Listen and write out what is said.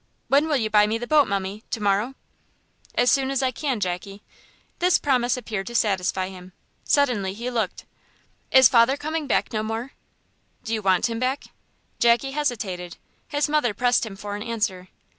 "When will you buy me the boat, mummie to morrow?" "As soon as I can, Jackie." This promise appeared to satisfy him. Suddenly he looked "Is father coming back no more?" "Do you want him back?" Jackie hesitated; his mother pressed him for an answer.